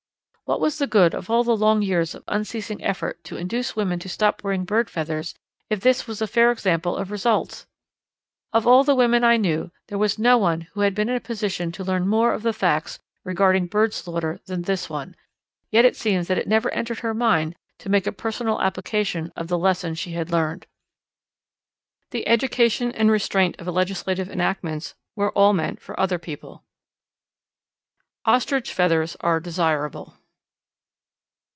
What was the good of all the long years of unceasing effort to induce women to stop wearing bird feathers, if this was a fair example of results? Of all the women I knew, there was no one who had been in a position to learn more of the facts regarding bird slaughter than this one; yet it seems that it had never entered her mind to make a personal application of the lesson she had learned. The education and restraint of legislative enactments were all meant for other people. _Ostrich Feathers Are Desirable.